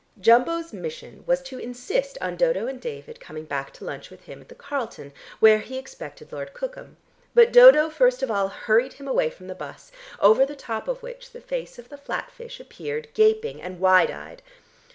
Jumbo's mission was to insist on Dodo and David coming back to lunch with him at the Carlton, where he expected Lord Cookham, but Dodo first of all hurried him away from the bus, over the top of which the face of the flat fish appeared gaping and wide eyed.